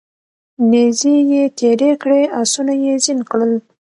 نیزې یې تیرې کړې اسونه یې زین کړل